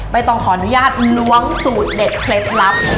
ต้องขออนุญาตล้วงสูตรเด็ดเคล็ดลับ